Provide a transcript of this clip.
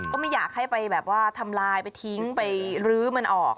ก็ไม่อยากให้ไปแบบว่าทำลายไปทิ้งไปรื้อมันออก